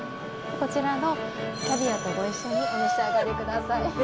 こちらのキャビアとご一緒にお召し上がりください。